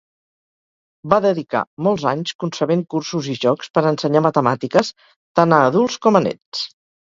Va dedicar molts anys concebent cursos i jocs per ensenyar matemàtiques tant a adults com a nens.